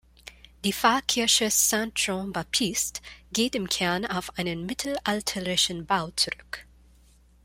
Die Pfarrkirche Saint-Jean-Baptiste geht im Kern auf einen mittelalterlichen Bau zurück.